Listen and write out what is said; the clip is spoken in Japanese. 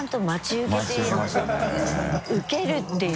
受けるっていう。